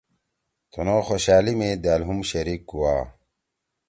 تنُو خوشحألی می دأل ہُم شریک کُوا۔